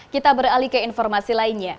kita beralih ke informasi lainnya